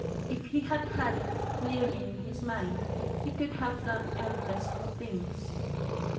If he had had it clearly in his mind he could have done endless things.